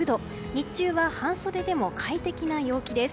日中は半袖でも快適な陽気です。